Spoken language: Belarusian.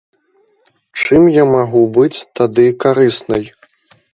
Чым я магу быць тады карыснай?